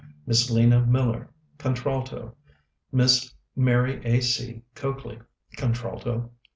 _ MISS LENA MILLER Contralto. MISS MARY A.C. COAKLEY _Contralto.